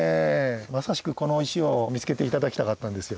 まさしくこの石を見つけて頂きたかったんですよ。